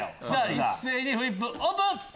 一斉にフリップオープン！